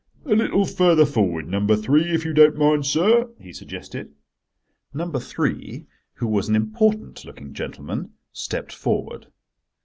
"A little further forward, number three, if you don't mind, sir," he suggested. Number three, who was an important looking gentleman, stepped forward.